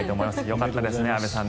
よかったですね安部さん。